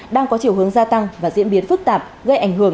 đang có chiều hướng gia tăng và diễn biến phức tạp gây ảnh hưởng